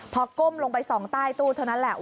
พอก้มลงไปส่องใต้ตู้เท่านั้นแหละ